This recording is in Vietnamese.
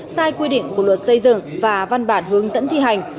sai quy định của luật xây dựng và văn bản hướng dẫn thi hành